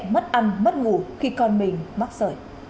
mất ăn mất ngủ khi còn mình mắc sởi